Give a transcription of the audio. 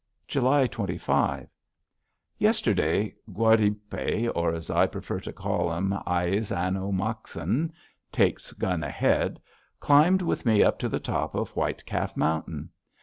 July 25. Yesterday Guardipe, or, as I prefer to call him, Aí is an ah mak an (Takes Gun Ahead), climbed with me to the top of White Calf Mountain.